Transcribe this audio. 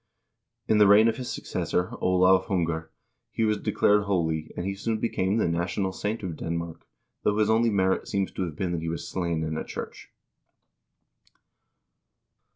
In the reign of his successor, Olav Hunger, he was declared holy, and he soon became the national saint of Denmark, though his only merit seems to have been that he was slain in a church.